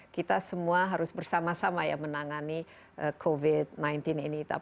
kita semua harus bersama sama ya menangani covid sembilan belas ini